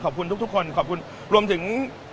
ขอบคุณทุกคนขอบคุณรวมถึง